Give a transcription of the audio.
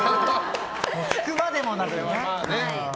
聞くまでもなくね。